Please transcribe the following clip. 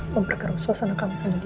memperkaruh suasana kamu sama dia